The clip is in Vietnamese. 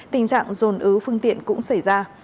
tình trạng dồn ứ phương tiện cũng xảy ra